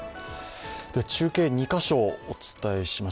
中継２か所お伝えします。